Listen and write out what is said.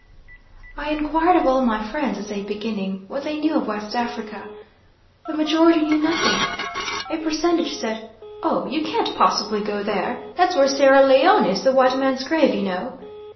I inquired of all my friends as a beginning what they knew of West Africa. The majority knew nothing. A percentage said, "Oh, you can't possibly go there; that's where Sierra Leone is, the white mans grave, you know."